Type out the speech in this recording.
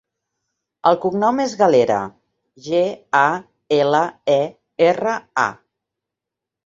El cognom és Galera: ge, a, ela, e, erra, a.